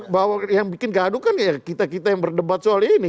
bahwa yang bikin gaduh kan ya kita kita yang berdebat soal ini